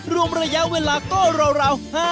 รวมระยะเวลาก็ราว